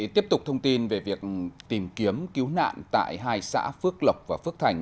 tiếp tục thông tin về việc tìm kiếm cứu nạn tại hai xã phước lộc và phước thành